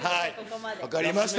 分かりました。